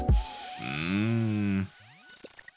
うん。